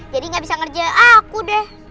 jadi nggak bisa ngerjakan aku deh